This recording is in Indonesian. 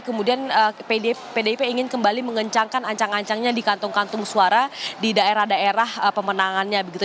kemudian pdip ingin kembali mengencangkan ancang ancangnya di kantung kantung suara di daerah daerah pemenangannya begitu